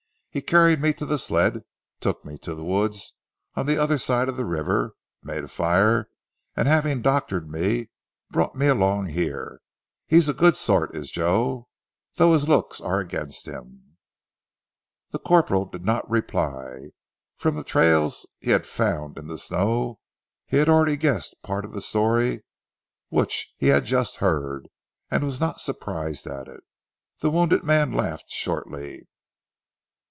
He carried me to the sled, took me to the woods on the other side of the river, made a fire, and having doctored me brought me along here. He's a good sort is Joe, though his looks are against him." The corporal did not reply. From the trails he had found in the snow, he had already guessed part of the story which he had just heard and was not surprised at it. The wounded man laughed shortly.